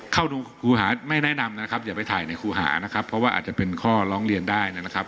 ครูหาไม่แนะนำนะครับอย่าไปถ่ายในครูหานะครับเพราะว่าอาจจะเป็นข้อร้องเรียนได้นะครับ